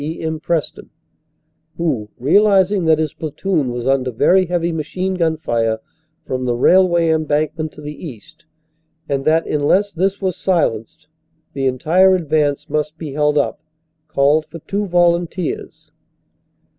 E. M. Preston, who, realizing that his platoon was under very heavy machine gun fire from the railway embankment to the east and that unless this was silenced the entire advance must be held up, called for two volunteers.